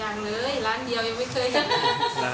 อย่างนึงล้านเดียวยังไม่เคยเห็น